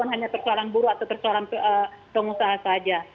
hanya persoalan buruh atau persoalan pengusaha saja